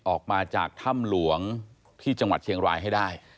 ออกมาจากถ้ำหลวงที่จังหวัดเชียงรายให้ได้